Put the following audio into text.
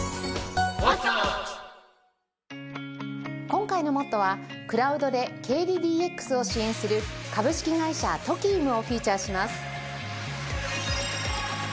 今回の『ＭＯＴＴＯ！！』はクラウドで経理ＤＸを支援する株式会社ＴＯＫＩＵＭをフィーチャーします。